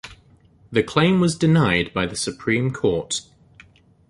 The claim was denied by the Supreme Court.